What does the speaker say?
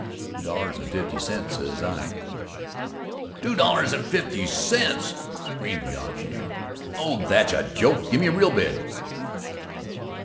"Two dollars and fifty cents," says I. "Two dollars and fifty cents!" screamed the auctioneer. "Oh, that's a joke! Give me a real bid."